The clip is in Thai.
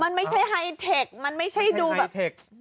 มันไม่ใช่ไฮเทคไม่ใช่แบบ